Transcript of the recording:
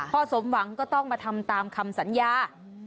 สมหวังก็ต้องมาทำตามคำสัญญา